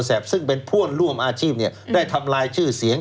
ซึ่งเป็นเพื่อนร่วมอาชีพเนี่ยได้ทำลายชื่อเสียง